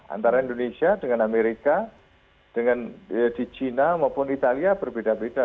antara indonesia dengan amerika di china maupun italia berbeda beda